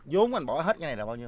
vốn anh bỏ hết cái này là bao nhiêu